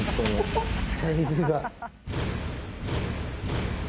サイズが。